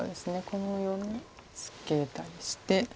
このようにツケたりして。